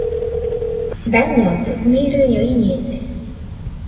Dañode, mirɨño iñede.